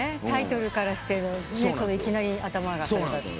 タイトルからしてのいきなり頭が。